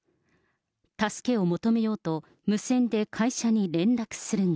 助けを求めようと、無線で会社に連絡するが。